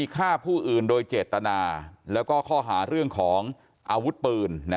ฆ่าผู้อื่นโดยเจตนาแล้วก็ข้อหาเรื่องของอาวุธปืน